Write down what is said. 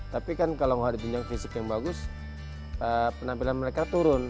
tapi kan kalau mau hadirin yang fisik yang bagus penampilan mereka turun